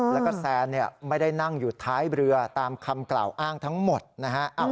แล้วก็แซนไม่ได้นั่งอยู่ท้ายเรือตามคำกล่าวอ้างทั้งหมดนะฮะ